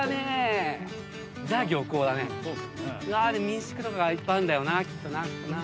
民宿とかがいっぱいあるんだよなきっとな。